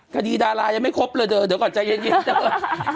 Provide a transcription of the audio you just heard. คดีดารายังไม่ครบเลยเดี๋ยวก่อนใจเย็นเดี๋ยวก่อน